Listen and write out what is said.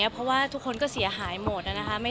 เพราะว่าทุกคนก็เสียหายหมดนะคะ